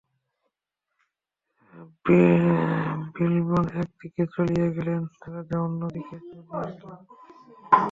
বিল্বন এক দিকে চলিয়া গেলেন, রাজা অন্য দিকে চলিয়া গেলেন।